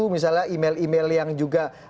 misalnya email email yang juga